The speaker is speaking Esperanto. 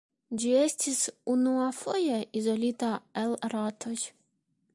Ĝi estis unuafoje izolita el ratoj.